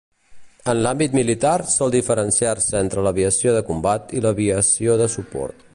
A l'àmbit militar sol diferenciar-se entre l'aviació de combat i l'aviació de suport.